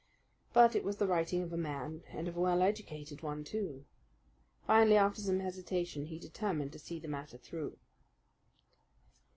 But it was the writing of a man, and of a well educated one, too. Finally, after some hesitation, he determined to see the matter through.